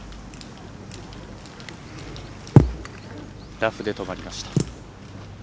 ラフで止まりました。